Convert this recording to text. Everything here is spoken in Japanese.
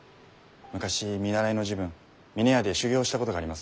昔見習いの時分峰屋で修業したことがあります。